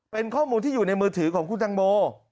เป็นข้อมูลที่อยู่ในมือถือของคุณตังโม